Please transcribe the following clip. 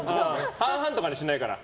半々とかにしないから。